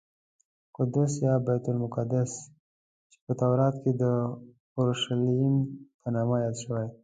قدس یا بیت المقدس چې په تورات کې د اورشلیم په نامه یاد شوی.